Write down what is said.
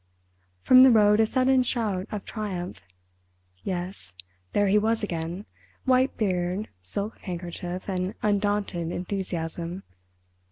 From the road a sudden shout of triumph. Yes, there he was again—white beard, silk handkerchief and undaunted enthusiasm.